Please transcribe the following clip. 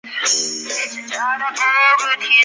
藤原内麻吕是奈良时代至平安时代初期的公卿。